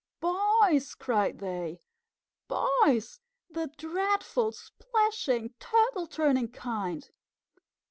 "Boys!" cried they. "Boys! The dreadful, splashing, Turtle turning kind."